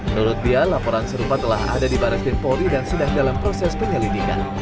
menurut dia laporan serupa telah ada di baris krim polri dan sedang dalam proses penyelidikan